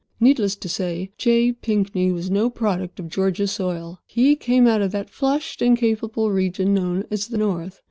Needless to say J. Pinkney was no product of Georgia soil. He came out of that flushed and capable region known as the "North."